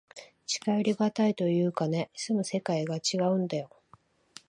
近寄りがたいというかね、住む世界がちがうんだよ。